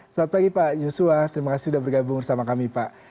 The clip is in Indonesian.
selamat pagi pak yusua terima kasih sudah bergabung bersama kami pak